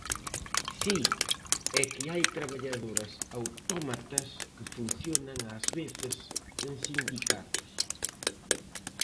Si, é que hai traballadoras autómatas, que funcionan ás veces en sindicatos.